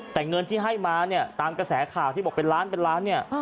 แต่เงินที่ให้มาเนี่ยตามกระแสข่าวที่บอกเป็นล้านเป็นล้านเนี่ย